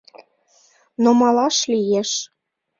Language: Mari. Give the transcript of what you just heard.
Но малаш лиеш.